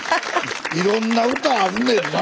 いろんな歌あるねんな。